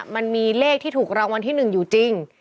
มันมีเลขที่ถูกรางวัลที่๑อยู่จริง